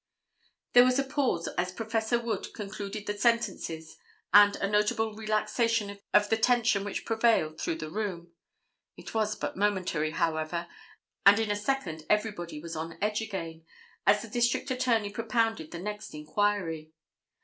There was a pause as Prof. Wood concluded the sentences and a notable relaxation of the tension which prevailed through the room. It was but momentary, however, and in a second everybody was on edge again, as the District Attorney propounded the next inquiry.